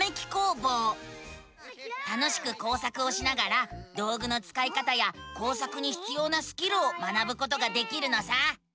楽しく工作をしながら道ぐのつかい方や工作にひつようなスキルを学ぶことができるのさ！